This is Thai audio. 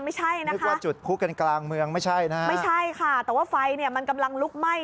ไม่ใช่นะคะไม่ใช่นะคะแต่ว่าไฟมันกำลังลุกไหม้